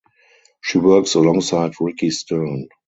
She works alongside Ricki Stern.